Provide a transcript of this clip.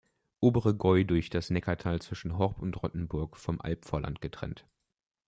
Obere Gäu durch das Neckartal zwischen Horb und Rottenburg vom Albvorland getrennt.